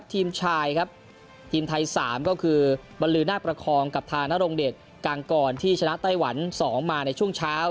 ทีมชายครับทีมไทย๓ก็คือบรรลือนาคประคองกับทางนรงเดชกางกรที่ชนะไต้หวัน๒มาในช่วงเช้า